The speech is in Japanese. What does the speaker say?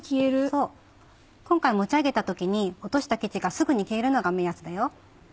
そう今回持ち上げた時に落とした生地がすぐに消えるのが目安だよ。